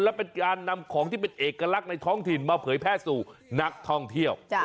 และเป็นการนำของที่เป็นเอกลักษณ์ในท้องถิ่นมาเผยแพร่สู่นักท่องเที่ยว